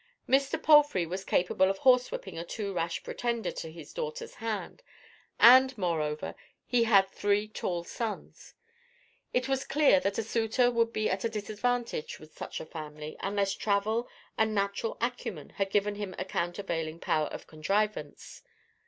Mr. Palfrey was capable of horse whipping a too rash pretender to his daughter's hand; and, moreover, he had three tall sons: it was clear that a suitor would be at a disadvantage with such a family, unless travel and natural acumen had given him a countervailing power of contrivance.